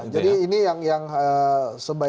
jadi ini yang sebaiknya